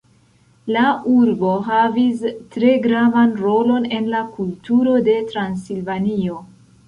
La urbo havis tre gravan rolon en la kulturo de Transilvanio.